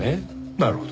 なるほど。